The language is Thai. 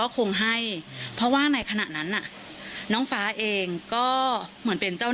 ที่ว่าเก่งที่ชื่น